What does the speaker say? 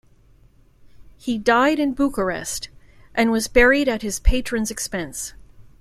He died in Bucharest, and was buried at his patron's expense.